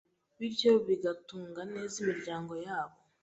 bityo bagatunga neza imiryango yabo.